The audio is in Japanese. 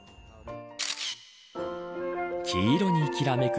黄色にきらめく